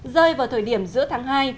rơi vào thời điểm giữa tháng hai